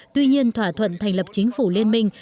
tuy nhiên thỏa thuận thành lập chính phủ liên minh